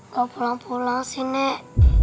mau pulang pulang sih nek